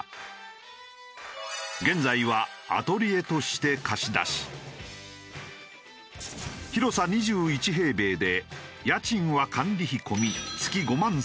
現在はアトリエとして貸し出し広さ２１平米で家賃は管理費込み月５万３０００円。